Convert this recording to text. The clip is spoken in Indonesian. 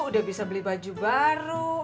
udah bisa beli baju baru